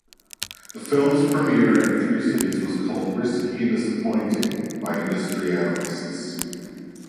The film's premiere in three cites was called "risky" and "disappointing" by industry analysts.